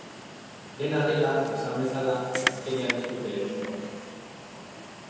Dena dela, esan bezala, azkenean ez dute egingo.